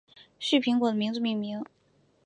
旭苹果的名字命名。